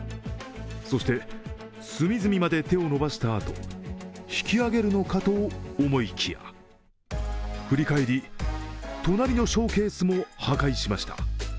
そして、隅々まで手を伸ばしたあと引き上げるのかと思いきや、振り返り、隣のショーケースも破壊しました。